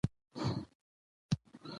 چې څرنګه ښځه کمزورې ده